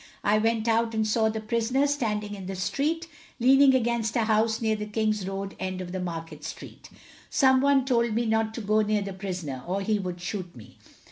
I went out and saw the prisoner standing in the street, leaning against a house near the King's road end of Market street. Some one told me not to go near the prisoner, or he would shoot me.